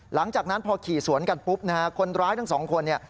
หลังจากนั้นพอขี่สวนกันปุ๊บคนร้ายทั้ง๒คน